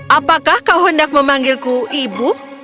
apakah kau hendak memanggilku ibu